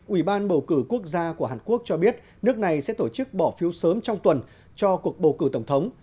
ủy ban bầu cử quốc gia của hàn quốc cho biết nước này sẽ tổ chức bỏ phiếu sớm trong tuần cho cuộc bầu cử tổng thống